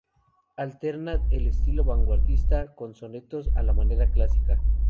Alterna el estilo vanguardista con sonetos a la manera clásica.